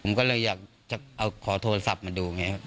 ผมก็เลยอยากจะเอาขอโทรศัพท์มาดูไงครับ